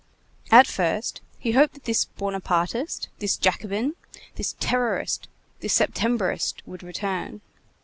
At first, he hoped that this Buonapartist, this Jacobin, this terrorist, this Septembrist, would return.